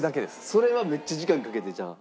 それはめっちゃ時間かけてじゃあ。